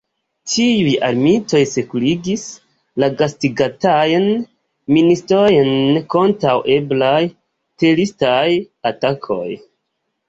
Tiuj armitoj sekurigis la gastigatajn ministrojn kontraŭ eblaj teroristaj atakoj!